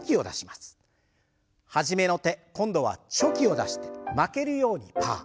初めの手今度はチョキを出して負けるようにパー。